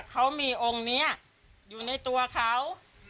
เขามีองค์นี้อยู่ในตัวเขา